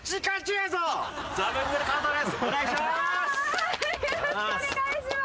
よろしくお願いします。